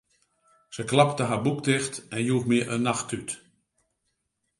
Se klapte har boek ticht en joech my in nachttút.